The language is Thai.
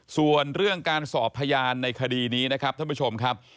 ส่วนเรื่องการสอบพยานในคดีนี้นะครับท่านผู้ชมครับ